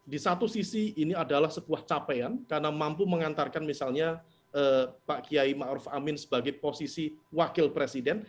di satu sisi ini adalah sebuah capaian karena mampu mengantarkan misalnya pak iyai ma'ruf amin sebagai posisi wakil presiden